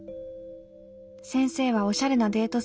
先生はおしゃれなデート